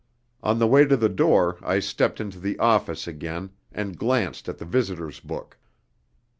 On the way to the door I stepped into the "office" again and glanced at the visitors' book.